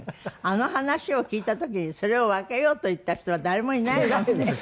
あの話を聞いた時にそれを分けようと言った人は誰もいないもんね。